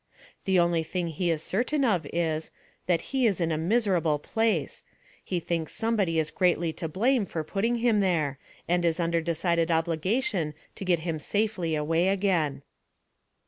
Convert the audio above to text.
The only thing he is certain of is, that he is in a miserable place — he thinks somebody is greatly to blame for putting him '.here — and is under decided obligation to get him safely iway again.